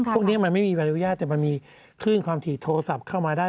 พวกนี้มันไม่มีใบอนุญาตแต่มันมีคลื่นความถี่โทรศัพท์เข้ามาได้